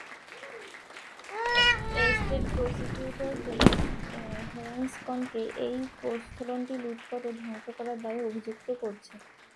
State prosecutor হেরেলসনকে এই প্রত্নস্থলটি লুটপাট ও ধ্বংস করার দায়ে অভিযুক্ত করেছে।